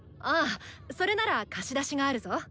ああそれなら貸し出しがあるぞ！